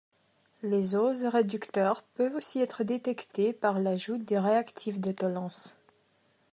Les oses réducteurs peuvent aussi être détectés par l'ajout de réactif de Tollens.